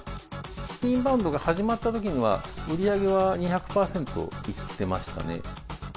インバウンドが始まったときには、売り上げは２００％いってましたね。